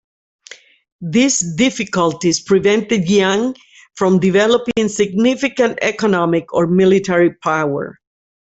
These difficulties prevented Jiang from developing significant economic or military power.